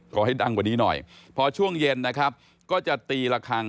ให้ดังกว่านี้หน่อยพอช่วงเย็นนะครับก็จะตีละครั้ง